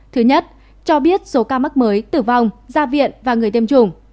thứ nhất cho biết số ca mắc mới tử vong ra viện và người tiêm chủng